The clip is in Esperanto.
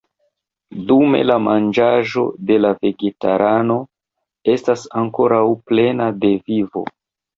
Dume la manĝaĵo de la vegetarano estas ankoraŭ plena de vivo.